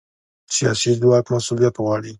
سیاسي ځواک مسؤلیت غواړي